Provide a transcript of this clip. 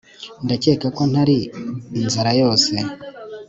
ndakeka ko ntari inzara yose